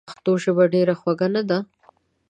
پښتو ژبه ډېره خوږه نده؟!